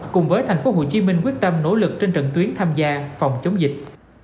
cùng với thành phố hồ chí minh quyết tâm nỗ lực trên trận tuyến tham gia phòng chống dịch